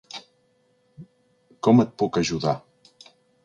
Com et puc ajudar?